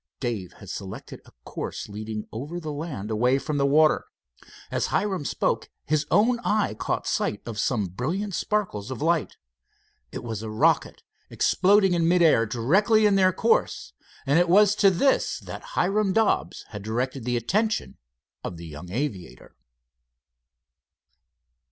Dave had selected a course leading over the land, away from the water. As Hiram spoke, his own eye caught sight of some brilliant sparkles of light. It was a rocket, exploding in mid air directly in their course, and it was to this that Hiram Dobbs had directed the attention of the young aviator.